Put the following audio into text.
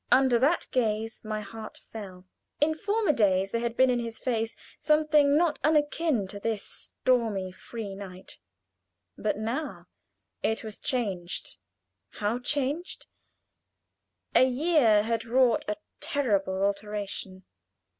Under that gaze my heart fell. In former days there had been in his face something not unakin to this stormy free night; but now it was changed how changed! A year had wrought a terrible alteration.